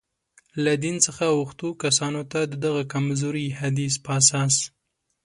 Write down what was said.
له دین څخه اوښتو کسانو ته، د دغه کمزوري حدیث په اساس.